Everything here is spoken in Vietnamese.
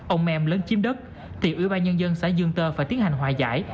ông mem lấn chiếm đất thì ủy ban nhân dân xã dương tơ phải tiến hành hòa giải